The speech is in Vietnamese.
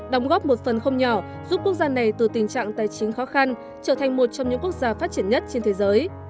đóng góp một phần không nhỏ giúp quốc gia này từ tình trạng tài chính khó khăn trở thành một trong những quốc gia phát triển nhất trên thế giới